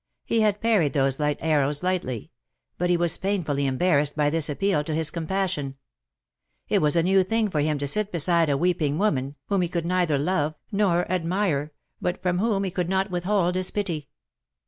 He had parried those light arrows lightly : but he Tvas painfully embarrassed by this appeal to his com passion. It was a new thing for him to sit beside a weeping woman, whom he could neither love nor 254 ^^WHO KNOWS NOT CIRCE?" admire, but from wliom he could not withhold his pity.